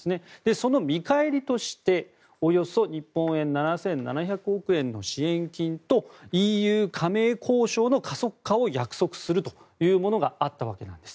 その見返りとしておよそ日本円で７７００億円の支援金とＥＵ加盟交渉の加速化を約束するというものがあったわけなんです。